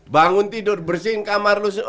bangun tidur bersihin kamar